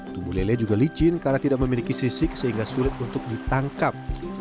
tubuh lele juga licin karena tidak memiliki sisik sehingga sulit untuk ditangkap